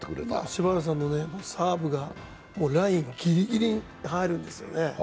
柴原さんのサーブがラインぎりぎりに入るんですね。